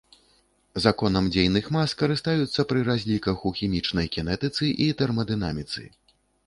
Законам дзейных мас карыстаюцца пры разліках у хімічнай кінетыцы і тэрмадынаміцы.